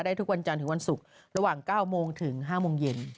ทุกวันจันทร์ถึงวันศุกร์ระหว่าง๙โมงถึง๕โมงเย็น